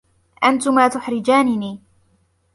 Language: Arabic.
أنتما تحرجانني.